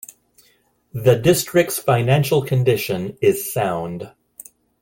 The District's financial condition is sound.